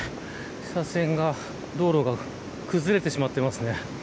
車線が、道路が崩れてしまっていますね。